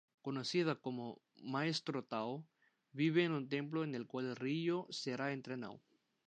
Conocida como "Maestro Tao", vive en un templo en el cual Ryo será entrenado.